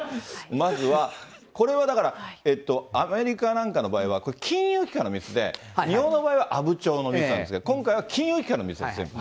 まずはこれはだからアメリカなんかの場合は金融機関のミスで、日本の場合は阿武町のミスなんですが、今回は金融機関のミスです。